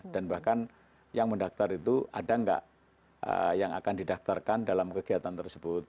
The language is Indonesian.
dan bahkan yang mendaktar itu ada nggak yang akan didaftarkan dalam kegiatan tersebut